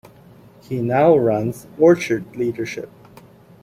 He now runs "Orchard Leadership".